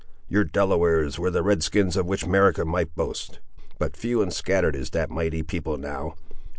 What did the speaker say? your Delawares were the redskins of which America might boast; but few and scattered is that mighty people, now!